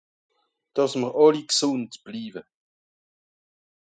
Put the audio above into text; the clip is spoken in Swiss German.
Dàs m'r àlli gsùnd bliiwe